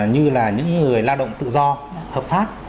như là những người lao động tự do hợp pháp